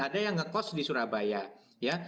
ada yang ngekos di surabaya ya